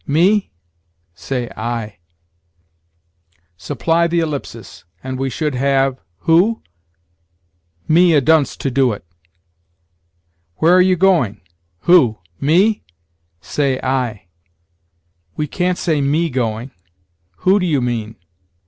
me?" say, I. Supply the ellipsis, and we should have, Who? me a dunce to do it? "Where are you going? Who? me?" say, I. We can't say, me going. "Who do you mean?"